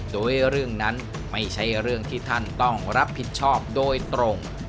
โดยเรื่องนั้นไม่ใช่เรื่องที่ท่านต้องรับผิดชอบโดยตรง